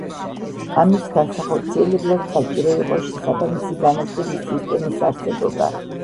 ამის განსახორციელებლად საჭირო იყო შესაბამისი განათლების სისტემის არსებობა.